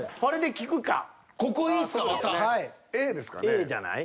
Ａじゃない？